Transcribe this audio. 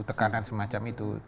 tekanan semacam itu